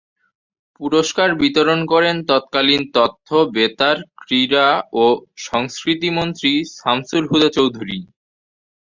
পুরস্কার বিতরণ করেন তৎকালীন তথ্য, বেতার, ক্রীড়া ও সংস্কৃতি মন্ত্রী শামসুল হুদা চৌধুরী।